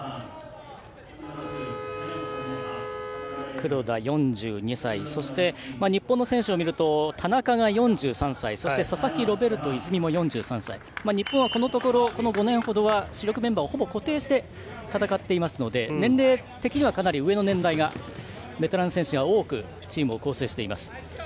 黒田、４２歳そして、日本の選手を見ると田中が４３歳佐々木ロベルト泉も４３歳日本は、この５年ほどは主力メンバーをほぼ固定して戦っているので年齢的にはかなり上の年代ベテラン選手が多くチームを構成しています。